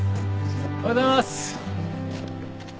おはようございます。